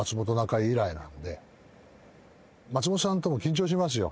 以来なんで松本さんとも緊張しますよ。